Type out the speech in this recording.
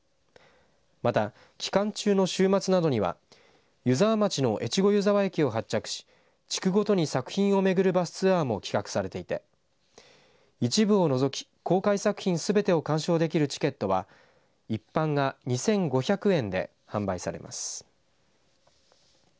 また、期間中の週末などには湯沢町の越後湯沢駅を発着し地区ごとに作品を巡るバスツアーも企画されていて一部を除き、公開作品すべてを鑑賞できるチケットは一般が２５００円で販売されています。